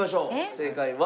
正解は？